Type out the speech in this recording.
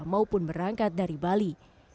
maupun berangkat dari bali